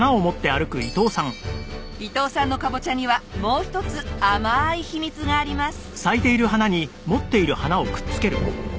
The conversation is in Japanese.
伊藤さんのカボチャにはもう一つ甘い秘密があります。